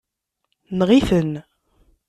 Neɣ-iten.